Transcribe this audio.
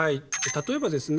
例えばですね